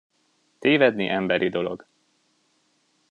Tévedni emberi dolog.